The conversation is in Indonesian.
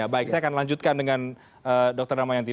baik saya akan lanjutkan dengan dr damayanti